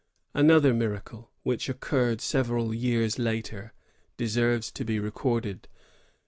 Another miracle, which occurred several years later, deserves to be recorded.